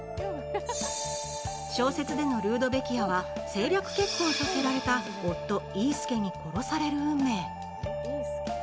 小説でのルードベキアは政略結婚させられた夫・イースケに殺される運命。